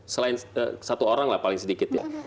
selain satu orang lah paling sedikit ya